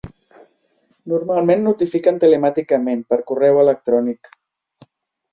Normalment notifiquen telemàticament, per correu electrònic.